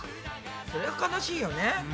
そりゃ悲しいよね。